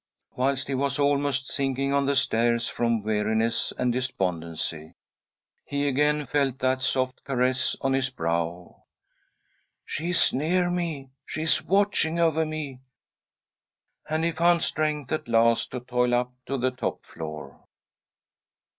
Whilst he was almost sinking on the stairs from weariness and despondency, he again felt that soft caress on his brow. " She is near me ; she is watching over me !" and he found strength at last to toil up to the top/ floor.